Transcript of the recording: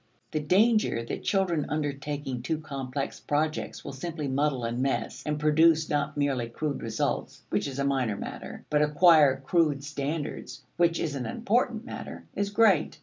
The danger that children undertaking too complex projects will simply muddle and mess, and produce not merely crude results (which is a minor matter) but acquire crude standards (which is an important matter) is great.